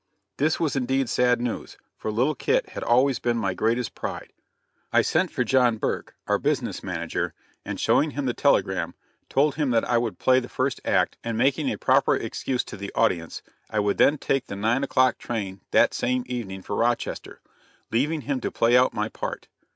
This was indeed sad news, for little Kit had always been my greatest pride. I sent for John Burke, our business manager, and showing him the telegram, told him that I would play the first act, and making a proper excuse to the audience, I would then take the nine o'clock train that same evening for Rochester, leaving him to play out my part.